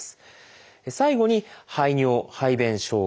最後に排尿・排便障害。